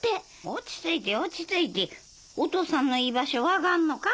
落ち着いて落ち着いてお父さんの居場所分かんのか？